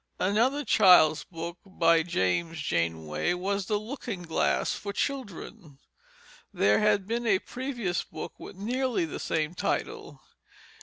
Another child's book, by James Janeway, was The Looking Glass for Children. There had been a previous book with nearly the same title.